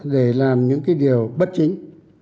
để làm những điều bất chính